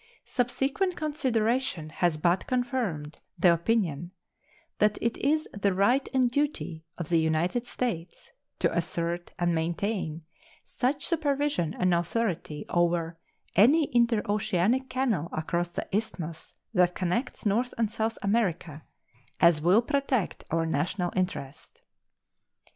Subsequent consideration has but confirmed the opinion "that it is the right and duty of the United States to assert and maintain such supervision and authority over any interoceanic canal across the isthmus that connects North and South America as will protect our national interest."